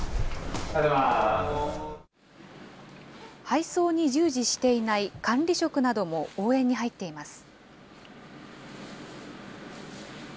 配送に従事していない管理職なども応援に入っています。